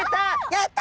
やった！